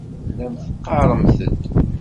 Tellamt teɣɣaremt-d.